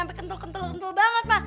sampai kentel kentel kentel banget ma